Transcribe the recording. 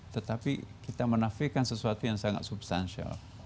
tetapi kita menafikan sesuatu yang sangat substansial